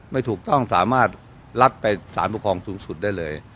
ไม่ถูกต้องสามารถรัดไปสารปกครองสูงสุดได้เลย